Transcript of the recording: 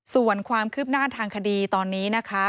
ส่วนความคืบหน้าทางคดีตอนนี้นะคะ